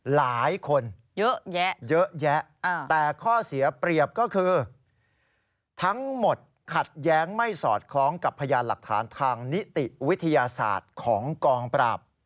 หลายคนเยอะแยะเยอะแยะแต่ข้อเสียเปรียบก็คือทั้งหมดขัดแย้งไม่สอดคล้องกับพยานหลักฐานทางนิติวิทยาศาสตร์ของกองปราบ